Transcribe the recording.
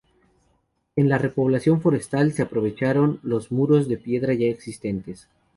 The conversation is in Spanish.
En la repoblación forestal se aprovecharon los muros de piedra ya existentes.